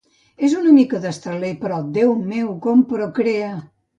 És una mica destraler, però Déu meu com procrea!